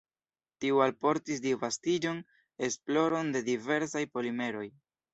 Tio alportis disvastiĝon, esploron de diversaj polimeroj.